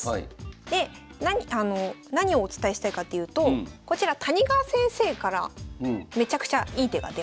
で何をお伝えしたいかっていうとこちら谷川先生からめちゃくちゃいい手が出ます。